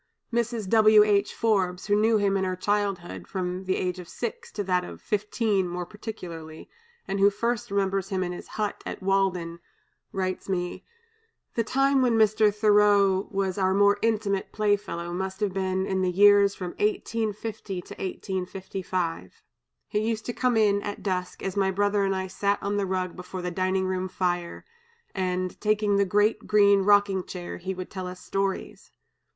Mrs. W. H. Forbes, who knew him in her childhood, from the age of six to that of fifteen more particularly, and who first remembers him in his hut at Walden, writes me: "The time when Mr. Thoreau was our more intimate playfellow must have been in the years from 1850 to 1855. He used to come in, at dusk, as my brother and I sat on the rug before the dining room fire, and, taking the great green rocking chair, he would tell us stories.